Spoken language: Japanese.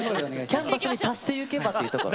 キャンバスに足してゆけばっていうところ。